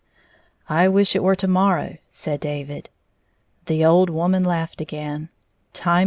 " I wish it were to morrow," said David. The old woman laughed again.